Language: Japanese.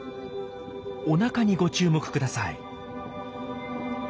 おなかにご注目ください。